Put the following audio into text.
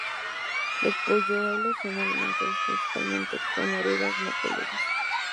Los polluelos son alimentados principalmente con orugas no peludas.